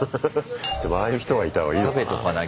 でもああいう人がいた方がいいのかな。